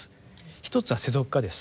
一つは「世俗化」です。